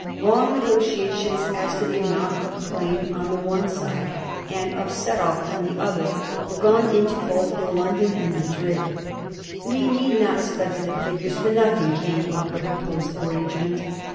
Long negotiations as to the amount of claim on the one side and of set off on the other were gone into both in London and Madrid. We need not study the figures, for nothing came of the proposed arrangement.